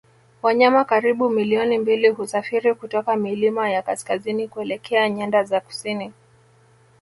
Wanyama karibu milioni mbili husafiri kutoka milima ya kaskazini kuelekea nyanda za kusini